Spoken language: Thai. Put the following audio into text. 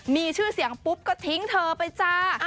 มีชื่อเสียงปุ๊บก็ทิ้งเธอไปจ้า